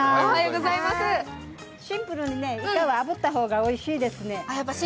シンプルにイカはあぶった方がいいです